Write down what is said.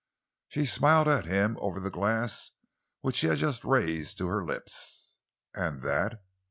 She smiled at him over the glass which she had just raised to her lips. "And that?"